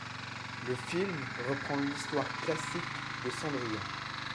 Le film reprend l'histoire classique de Cendrillon.